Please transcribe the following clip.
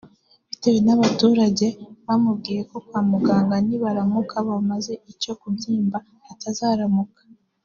bitewe n’abaturage bamubwiye ko kwa muganga nibaramuka babaze icyo kibyimba atazaramuka